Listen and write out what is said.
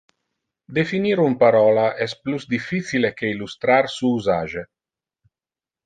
Definir un parola es plus difficile que illustrar su usage.